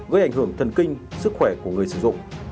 gây ảnh hưởng thần kinh sức khỏe của người sử dụng